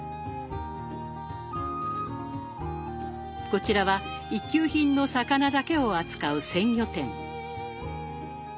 こちらは一級品の魚だけを扱う鮮魚店。